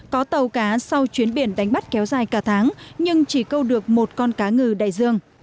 có tàu cá sau chuyến biển đánh bắt kéo dài cả tháng nhưng chỉ câu được một con cá ngừ đại dương